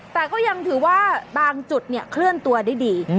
แต่ก็ยังถือว่าบางจุดเนี่ยเคลื่อนตัวได้ดี